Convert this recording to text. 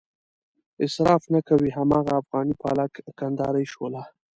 اصراف نه کوي هماغه افغاني پالک، کندهارۍ شوله.